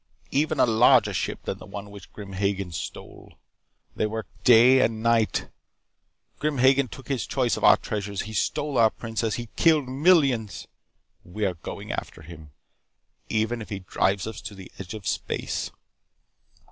Even a larger ship than the one which Grim Hagen stole. They work day and night. Grim Hagen took his choice of our treasures. He stole our princess, and he killed millions. We are going after him, even if he drives to the edge of space.